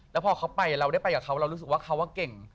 แล้วพอเขาไปเราได้ไปกับเขาเรารู้สึกว่าเขาเก่ง